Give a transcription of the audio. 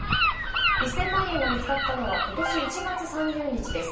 １０００万円が見つかったのは今年１月３０日です。